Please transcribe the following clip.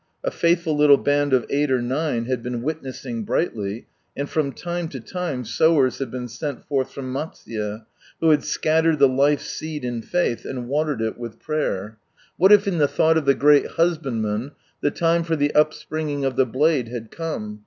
A faithful little band of eight or nine had been witnessing brightly, and from lime to time sowers had been sent forth from Matsuye, who had Bcallered the life seed in faith, and watered it with prayer. What if in the thought of the Great Husbandman the time for the upspringing of the blade had come?